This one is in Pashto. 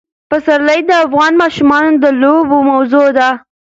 پسرلی د افغان ماشومانو د لوبو موضوع ده.